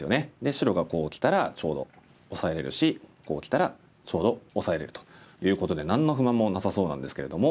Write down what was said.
白がこうきたらちょうどオサえれるしこうきたらちょうどオサえれるということで何の不満もなさそうなんですけれども。